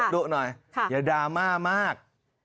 ดุหน่อยอย่าดราม่ามาก